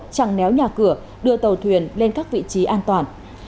chẳng néo nhà cửa đưa tàu thuyền lên các vị trí an toàn